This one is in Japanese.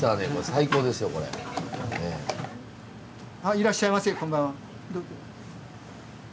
いらっしゃいませこんばんは。